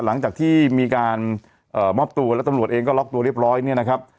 หลังจากที่มีการมอบตัวแล้วตำรวจเองก็ล็อกตัวเรียบร้อยเนี่ยนะครับ